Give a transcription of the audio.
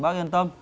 bác yên tâm